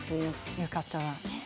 浴衣は。